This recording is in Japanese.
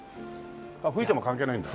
吹いても関係ないんだ。